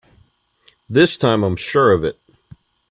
This time I'm sure of it!